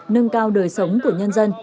nâng cao đời sống của nhân dân